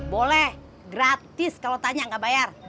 boleh gratis kalau tanya nggak bayar